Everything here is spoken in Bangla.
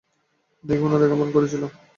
দেখেও না দেখার ভান করেছিলাম।